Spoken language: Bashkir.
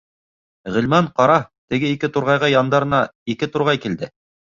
Ғилман, ҡара теге ике турғайға, яндарына ике турғай килде.